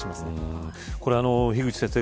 これ樋口先生